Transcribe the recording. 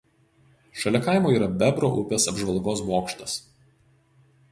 Šalia kaimo yra Bebro upės apžvalgos bokštas.